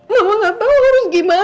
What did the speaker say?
mama gak tau harus gimana